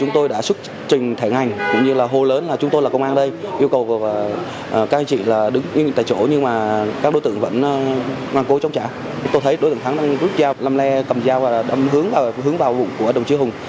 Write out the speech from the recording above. tôi thấy đối tượng thắng đang rút dao làm le cầm dao và đâm hướng vào vùng của đồng chí hùng